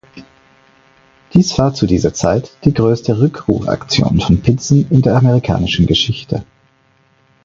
Dies war zu dieser Zeit die größte Rückrufaktion von Pizzen in der amerikanischen Geschichte.